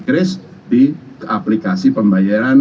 kris di aplikasi pembayaran